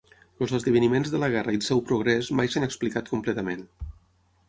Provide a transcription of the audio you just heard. Els esdeveniments de la guerra i el seu progrés mai s'han explicat completament.